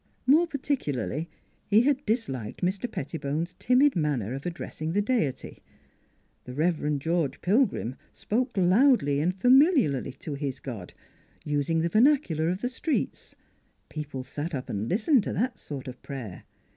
More particularly he had disliked Mr. Pettibone's timid manner of addressing the Deity. The Rev. George Pilgrim spoke loudly and familiarly to his God, using the vernacular of the streets. Peo ple sat up and listened to that sort of prayer.